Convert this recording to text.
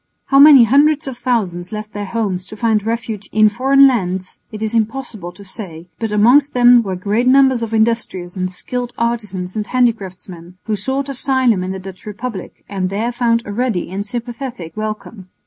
How many hundreds of thousands left their homes to find refuge in foreign lands it is impossible to say, but amongst them were great numbers of industrious and skilled artisans and handicraftsmen, who sought asylum in the Dutch Republic and there found a ready and sympathetic welcome.